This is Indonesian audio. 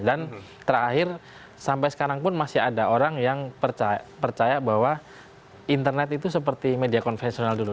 dan terakhir sampai sekarang pun masih ada orang yang percaya bahwa internet itu seperti media konvensional dulu